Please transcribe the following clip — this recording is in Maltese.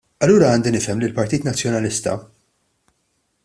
Allura għandi nifhem li l-Partit Nazzjonalista.